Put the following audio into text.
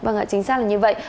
vâng ạ chính xác là như vậy